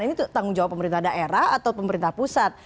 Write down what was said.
ini tanggung jawab pemerintah daerah atau pemerintah pusat